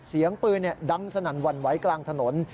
เสียงปืนดังสนั่นหวั่นไหวกลางถนน